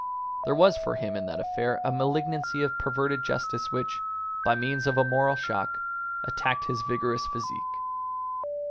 There was for him in that affair a malignancy of perverted justice which, by means of a moral shock, attacked his vigorous physique.